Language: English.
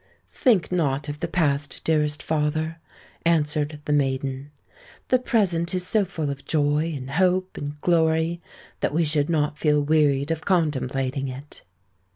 "Think not of the past, dearest father," answered the maiden: "the present is so full of joy, and hope, and glory, that we should not feel wearied of contemplating it."